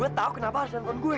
gue tau kenapa harus nonton gue